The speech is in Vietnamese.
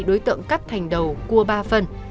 hình đầu cua ba phần